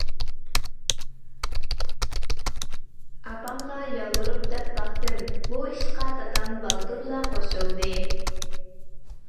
ئاپامغا يالۋۇرۇپ دەپ باقتىم، بۇ ئىشقا دادام بالدۇرلا قوشۇلدى.